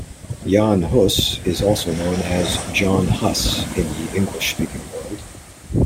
Jan Hus is also known as "John Huss" in the English speaking world.